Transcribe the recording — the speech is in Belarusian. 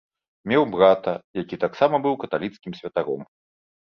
Меў брата, які таксама быў каталіцкім святаром.